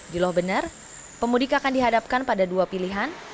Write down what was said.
bila benar pemudik akan dihadapkan pada dua pilihan